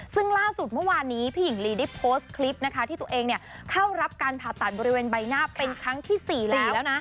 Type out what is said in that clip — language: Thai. ซึ่งล่าสุดเมื่อวานนี้พี่หญิงลีได้โพสต์คลิปนะคะที่ตัวเองเข้ารับการผ่าตัดบริเวณใบหน้าเป็นครั้งที่๔แล้ว